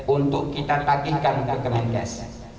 untuk kita tagihkan ke kemenkes